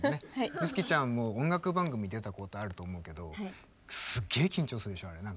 充希ちゃんも音楽番組出た事あると思うけどすげえ緊張するでしょあれ何か。